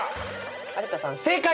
有田さん正解です。